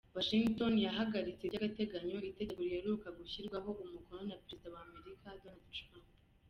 Washington yahagaritse by’agateganyo itegeko riheruka gushyirwaho umukono na perezida w’Amerika Donald Trump.